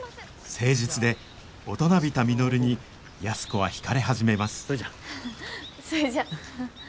誠実で大人びた稔に安子は引かれ始めますそれじゃ。